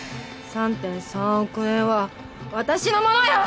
３．３億円は私のものよ！